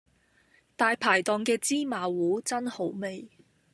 大排檔嘅芝麻糊真好味